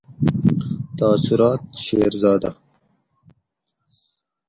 تاثرات: : شیرزادہ